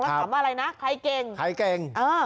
แล้วถามว่าอะไรนะใครเก่งใครเก่งเออ